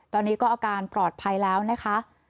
ตอนนี้ก็อาการปลอดภัยแล้วนะคะ